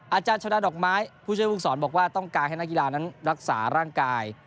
อาจารย์ชาดาดอกไม้ผู้ช่วยผู้สอนบอกว่าต้องการให้นักกีฬานั้นรักษาร่างกาย